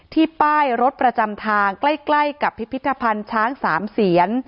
ป้ายรถประจำทางใกล้กับพิพิธภัณฑ์ช้างสามเสียน